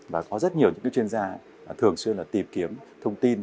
và có rất nhiều những chuyên gia thường xuyên tìm kiếm thông tin